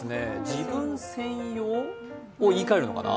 自分専用を言い換えるのかな？